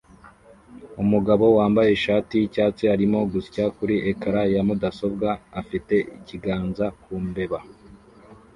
Umugabo wambaye ishati yicyatsi arimo gusya kuri ecran ya mudasobwa afite ikiganza ku mbeba